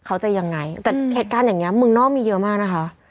เขาจะยังไงแต่เหตุการณ์อย่างเงี้เมืองนอกมีเยอะมากนะคะ